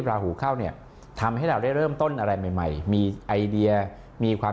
ราหูเข้าเนี่ยทำให้เราได้เริ่มต้นอะไรใหม่ใหม่มีไอเดียมีความ